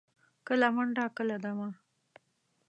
کله منډه، کله دمه.